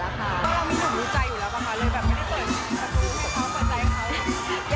เรามีคนรู้ใจอยู่แล้วป่ะค่ะเลยไม่ได้เปิดกระทูให้เขาเป็นใจของเขา